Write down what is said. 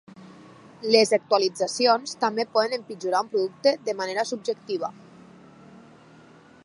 Les actualitzacions també poden empitjorar un producte de manera subjectiva.